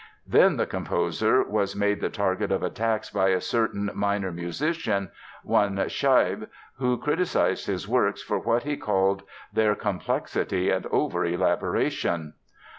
Then the composer was made the target of attacks by a certain minor musician, one Scheibe, who criticized his works for what he called their "complexity and overelaboration."